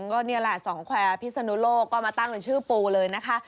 ก็นี่แหละสองแควร์พิศนุโลกก็มาตั้งเป็นชื่อปูเลยนะคะ